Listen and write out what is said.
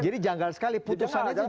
jadi janggal sekali putusannya itu janggal